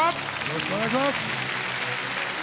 よろしくお願いします。